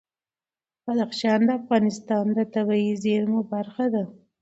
بدخشان د افغانستان د طبیعي زیرمو برخه ده.